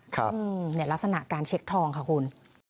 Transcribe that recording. ครับเนี่ยลักษณะการเช็คทองค่ะคุณ